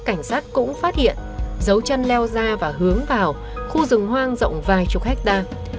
cảnh sát cũng phát hiện dấu chân leo ra và hướng vào khu rừng hoang rộng vài chục hectare